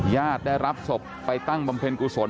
ญาติได้รับศพไปตั้งบำเพ็ญกุศล